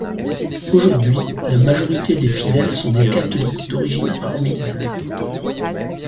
Aujourd'hui la majorité des fidèles sont des catholiques d'origine arménienne.